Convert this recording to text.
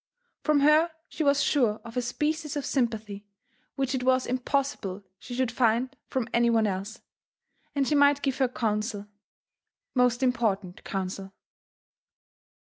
From her she was sure of a species of sympathy which it was impossible she should find from any one else, and she might give her counsel — most important counsel.